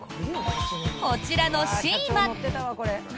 こちらのシーマ。